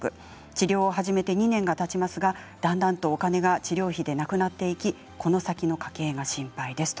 治療を始めて２年がたちますがだんだんとお金が治療費でなくなっていきこの先の家計が心配です。